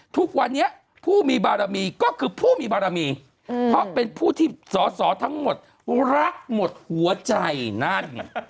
ทุกวันนี้ผู้มีบารมีก็คือผู้มีบารมีเพราะเป็นผู้ที่สอสอทั้งหมดรักหมดหัวใจนั่น